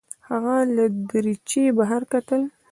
هغه له دریچې بهر کتل.